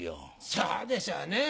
そうでしょうね。